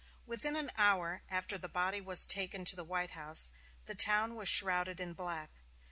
Within an hour after the body was taken to the White House, the town was shrouded in black.